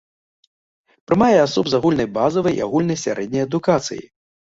Прымае асоб з агульнай базавай і агульнай сярэдняй адукацыяй.